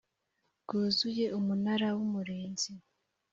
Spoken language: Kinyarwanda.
bwuzuye umunara w umurinzi